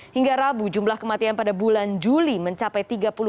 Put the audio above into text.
hingga rabu jumlah kematian pada bulan juli mencapai tiga puluh satu ratus enam puluh sembilan